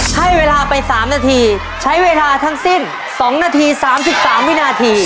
ให้เวลาไป๓นาทีใช้เวลาทั้งสิ้น๒นาที๓๓วินาที